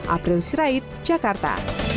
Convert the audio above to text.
april sirait jakarta